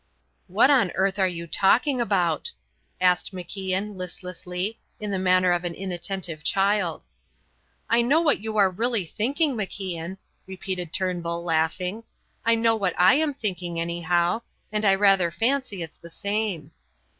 "What on earth are you talking about?" asked MacIan, listlessly, in the manner of an inattentive child. "I know what you are really thinking, MacIan," repeated Turnbull, laughing. "I know what I am thinking, anyhow. And I rather fancy it's the same."